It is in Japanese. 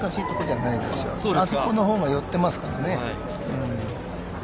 あそこのほうが寄っていますからね。